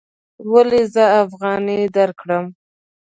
ولې زه افغانۍ درکړم؟